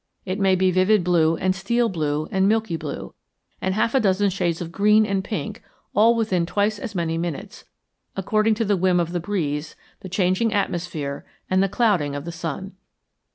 It may be vivid blue and steel blue and milky blue, and half a dozen shades of green and pink all within twice as many minutes, according to the whim of the breeze, the changing atmosphere, and the clouding of the sun.